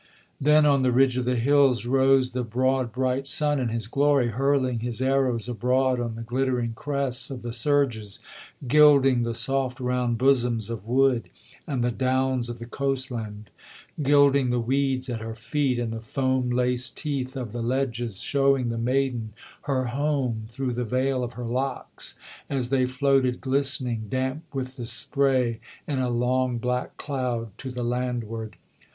Then on the ridge of the hills rose the broad bright sun in his glory, Hurling his arrows abroad on the glittering crests of the surges, Gilding the soft round bosoms of wood, and the downs of the coastland; Gilding the weeds at her feet, and the foam laced teeth of the ledges, Showing the maiden her home through the veil of her locks, as they floated Glistening, damp with the spray, in a long black cloud to the landward.